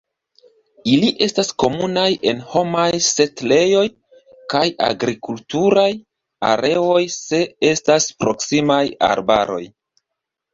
Ili estas komunaj en homaj setlejoj kaj agrikulturaj areoj se estas proksimaj arbaroj.